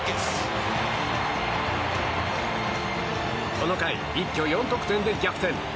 この回、一挙４得点で逆転。